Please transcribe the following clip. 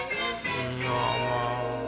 いや。